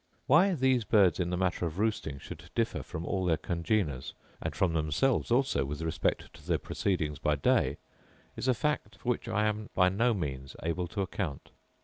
Why these birds, in the matter of roosting, should differ from all their congeners, and from themselves also with respect to their proceedings by day, is a fact for which I am by no means able to account.